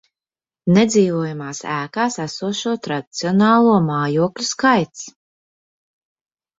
Nedzīvojamās ēkās esošo tradicionālo mājokļu skaits